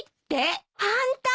ホント！？